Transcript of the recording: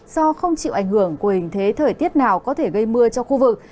do không chịu ảnh hưởng của hình thế thời tiết nào có thể gây mưa cho khu vực